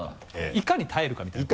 いかに耐えるかみたいなこと？